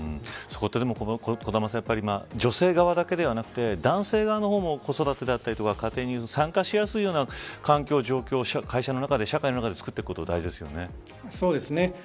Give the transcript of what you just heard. そこって小玉さん女性側だけではなくて男性側も子育てであったり家庭に参加しやすいような環境状況を会社や社会の中でそうですね。